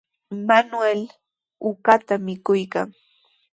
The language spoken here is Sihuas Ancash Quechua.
Manuel uqata mikuykan.